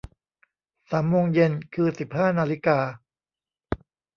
สามโมงเย็น คือสิบห้านาฬิกา